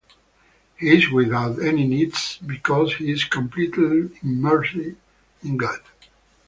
He is without any needs because he is completely immersed in God.